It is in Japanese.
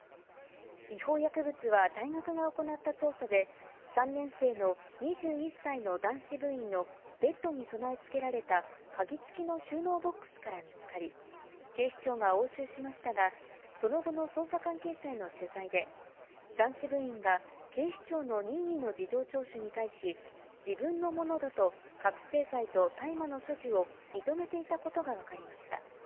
違法薬物は大学が行った調査で、３年生の２１歳の男子部員のベッドに備え付けられた、鍵付きの収納ボックスから見つかり、警視庁が押収しましたが、その後の捜査関係者への取材で、男子部員が警視庁の任意の事情聴取に対し、自分のものだと、覚醒剤と大麻の所持を認めていたことが分かりました。